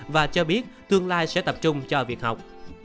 và cho biết tương lai sẽ tập trung cho việc học